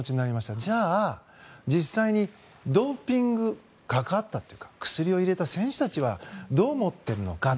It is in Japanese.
じゃあ、実際にドーピングに関わったというか薬を入れた選手たちはどう思っているのか。